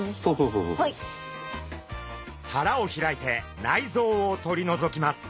腹を開いて内臓を取り除きます。